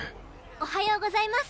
おはようございます